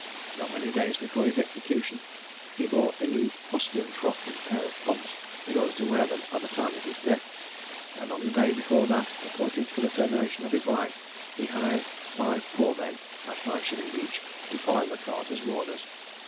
Not many days before his execution, he bought a new fustian frock and a pair of pumps, in order to wear them at the time of his death; and on the day before that appointed for the termination of his life, he hired five poor men, at five shillings each, to follow the cart as mourners.